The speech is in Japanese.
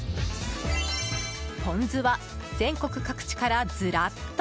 ポン酢は、全国各地からずらっと。